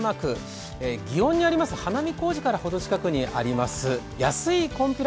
祇園にあります、花見小路からほど近くにあります